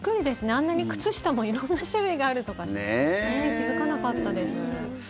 あんなに靴下も色んな種類があるとか気付かなかったです。